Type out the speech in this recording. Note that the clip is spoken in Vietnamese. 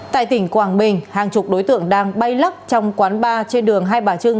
tại tỉnh quảng bình hàng chục đối tượng đang bay lắc trong quán bar trên đường hai bà trưng